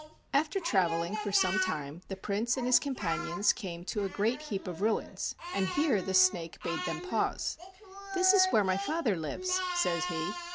After traveling for some time, the Prince and his companions came to a great heap of ruins, and here the snake bade them pause: "This is where my father lives," said he.